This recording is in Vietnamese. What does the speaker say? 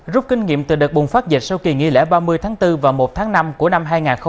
rút kinh nghiệm từ đợt bùng phát dịch sau kỳ nghỉ lễ ba mươi tháng bốn và một tháng năm của năm hai nghìn hai mươi bốn